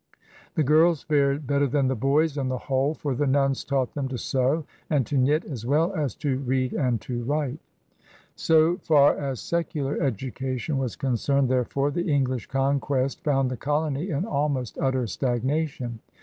The girls fared better than the boys on the whole, for the nuns taught them to sew and to knit as well as to read and to write. So far as secular education was concerned, therefore, the English conquest found the colony in almost utter stagnation.